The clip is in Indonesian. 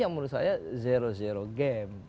yang menurut saya game